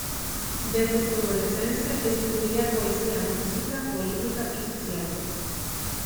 Desde su adolescencia, escribía poesía mística, política y social.